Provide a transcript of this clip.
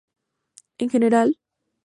En general,